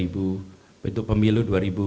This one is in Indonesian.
bentuk pemilu dua ribu dua puluh empat